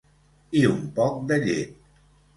I un poc de llet.